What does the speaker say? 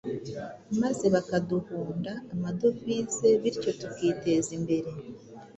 maze bakaduhunda amadovize, bityo tukiteza imbere.